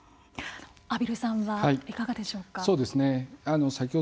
畔蒜さんはいかがでしょうか。